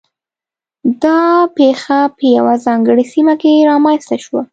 دا پېښه په یوه ځانګړې سیمه کې رامنځته شوه.